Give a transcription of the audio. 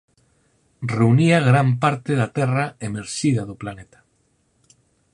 Reunía gran parte da terra emerxida do planeta.